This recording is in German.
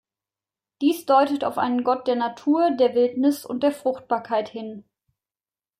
Dies deutet auf einen Gott der Natur, der Wildnis und der Fruchtbarkeit hin.